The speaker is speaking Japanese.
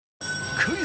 「クイズ！